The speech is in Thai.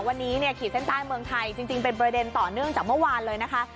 วันนี้เนี่ยขีดเส้นใต้เมืองไทยจริงเป็นประเด็นต่อเนื่องจากเมื่อวานเลยนะคะ